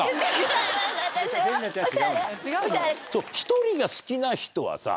１人が好きな人はさ。